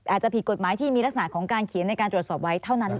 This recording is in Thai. อาจจะผิดกฎหมายที่มีลักษณะของการเขียนในการตรวจสอบไว้เท่านั้น